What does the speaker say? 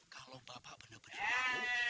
kalau bapak benar benar mau